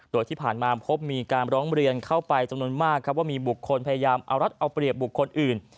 โดยที่ผ่านมาพบมีการร้องเรียนเข้าไปจำนวนมากครับว่ามีบุคคลพยายามเอารัฐเอาเปรียบบุคคลอื่น